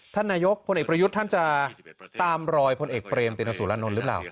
ท่านนายกพลเอกประยุทธ์ท่านจะตามรอยพลเอกเปรมตินสุรานนท์หรือเปล่า